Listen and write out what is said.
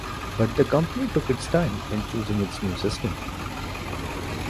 But the company took its time in choosing its new system.